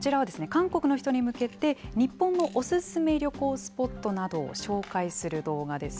韓国の人に向けて日本のお勧め旅行スポットなどを紹介する動画です。